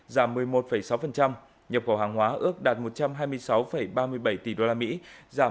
trong đó xuất khẩu hàng hóa ước đạt một trăm ba mươi sáu một mươi bảy tỷ đô la mỹ giảm một mươi một sáu